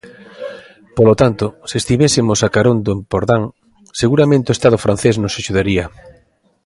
Polo tanto, se estivésemos a carón do Empordán, seguramente o Estado francés nos axudaría.